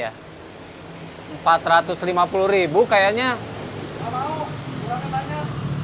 gak mau kurangnya banyak